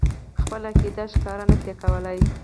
خپله عقیده ښکاره نه شي کولای.